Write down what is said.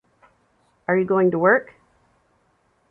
Are you going to work?